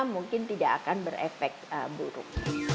mungkin tidak akan berefek buruk